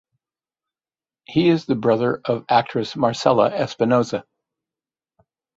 He is the brother of the actress Marcela Espinoza.